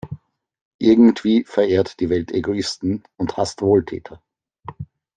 Irgendwie verehrt die Welt Egoisten und hasst Wohltäter.